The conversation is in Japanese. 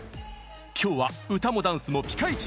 今日は歌もダンスもピカイチ！